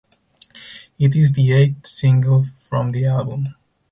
It is the eight single from the album.